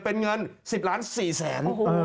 เป็นเงิน๑๐ล้าน๔แสน